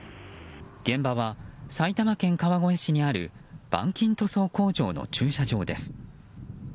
現場は埼玉県川越市にある板金塗装工場の駐車場です。